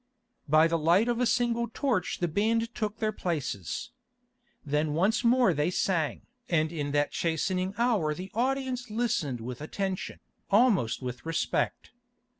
By the light of a single torch the band took their places. Then once more they sang, and in that chastening hour the audience listened with attention, almost with respect.